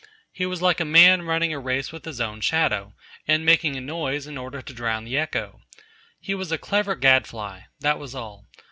'He was like a man running a race with his own shadow, and making a noise in order to drown the echo. He was a clever gadfly, that was all.